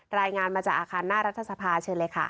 รายงานมาจากอาคารหน้ารัฐสภาเชิญเลยค่ะ